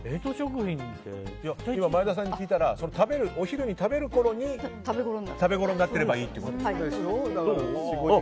前田さんに聞いたらお昼に食べるころに食べごろになってればいいってことですね。